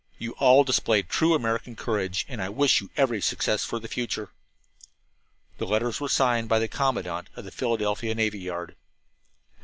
You all displayed true American courage; and I wish you every success for the future." The letters were signed by the commandant of the Philadelphia Navy Yard.